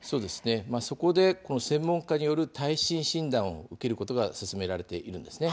そこで専門家による耐震診断を受けることが薦められているんです。